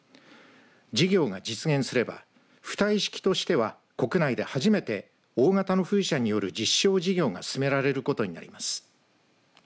事業が実現すれば浮体式としては国内で初めて大型の風車による実証事業が進められることになります。